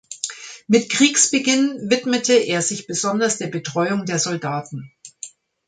Mit Kriegsbeginn widmete er sich besonders der Betreuung der Soldaten.